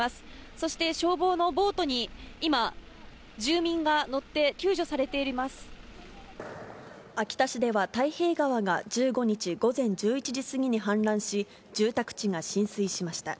そして消防のボートに今、住民が秋田市では、太平川が１５日午前１１時過ぎに氾濫し、住宅地が浸水しました。